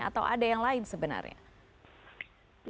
atau ada yang lain sebenarnya